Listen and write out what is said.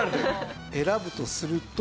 選ぶとすると。